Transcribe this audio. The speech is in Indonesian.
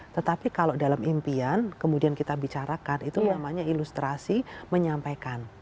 tetapi kalau dalam impian kemudian kita bicarakan itu namanya ilustrasi menyampaikan